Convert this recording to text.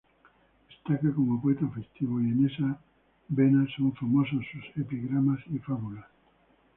Destaca como poeta festivo, y en esa vena son famosos sus "Epigramas" y "Fábulas".